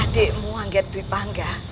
adikmu anggertwi bangga